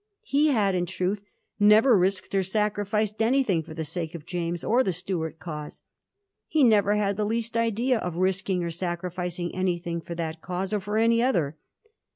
He had, in truth, never risked or sacrificed anything for the sake of James, or the Stuart cause. He never had the least idea of risking or sacrificing anything for that cause, or for any other.